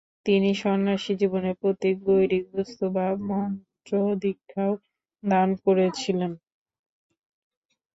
তিনি সন্ন্যাসী জীবনের প্রতীক গৈরিক বস্ত্র ও মন্ত্রদীক্ষাও দান করেছিলেন।